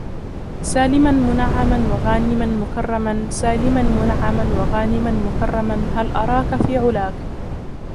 سـالِماً مُـنَـعَّـماً وَغَانِماً مُكَرَّمًا سـالِماً مُـنَـعَّـماً وَغانِماً مُكَرَّمًا هـــــلْ أراكْ فـي عُـــلاكْ